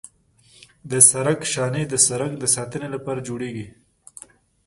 د سړک شانې د سړک د ساتنې لپاره جوړیږي